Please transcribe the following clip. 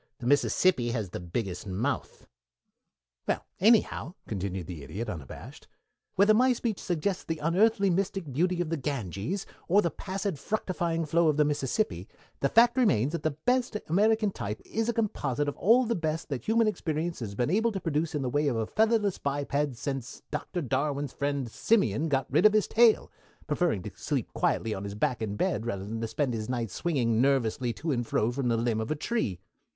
"The Mississippi has the biggest mouth." "Well, anyhow," continued the Idiot, unabashed, "whether my speech suggests the unearthly, mystic beauty of the Ganges, or the placid fructifying flow of the Mississippi, the fact remains that the best American type is a composite of all the best that human experience has been able to produce in the way of a featherless biped since Doctor Darwin's friend, Simian, got rid of his tail, preferring to sleep quietly on his back in bed rather than spend his nights swinging nervously to and fro from the limb of a tree.